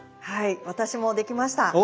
はい私もできました。